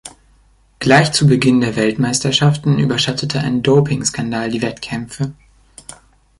Gleich zu Beginn der Weltmeisterschaften überschattete ein Doping-Skandal die Wettkämpfe.